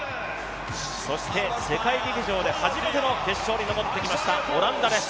そして世界陸上で初めての決勝に残ってきました、オランダです。